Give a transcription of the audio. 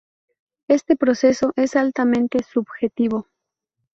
Este proceso es altamente subjetivo.